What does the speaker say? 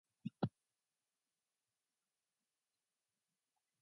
Great Western Railway manage the station and operate most train services.